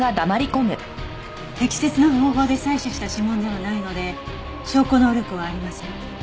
適切な方法で採取した指紋ではないので証拠能力はありません。